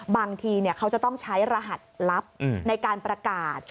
บางทีเขาจะต้องใช้รหัสลับในการประกาศ